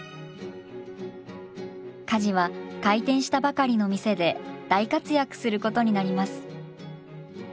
カジは開店したばかりの店で大活躍することになります。